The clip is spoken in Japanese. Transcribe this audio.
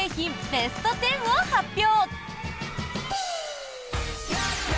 ベスト１０を発表。